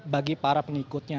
bagi para pengikutnya